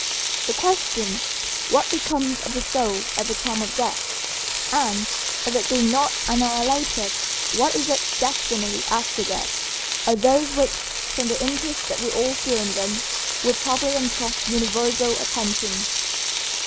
The questions, "What becomes of the soul at the time of death?" and, if it be not annihilated, "What is its destiny after death?" are those which, from the interest that we all feel in them, will probably engross universal attention.